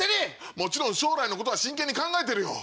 もちろん将来のことは真剣に考えてるよ。